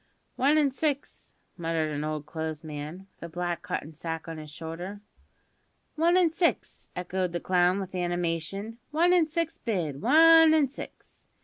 "One an' six," muttered an old clothes man, with a black cotton sack on his shoulder. "One an' six," echoed the clown with animation; "one an' six bid; one an' six.